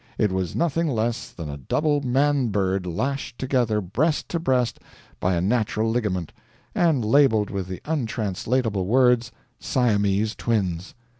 It was nothing less than a double Man Bird lashed together breast to breast by a natural ligament, and labeled with the untranslatable words, "Siamese Twins."